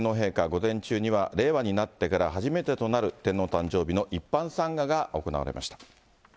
午前中には令和になってから初めてとなる、天皇誕生日の一般参賀が行われました。